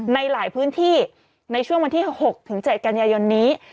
ในหลายพื้นที่ในช่วงวันที่๖๗กันยายนนี้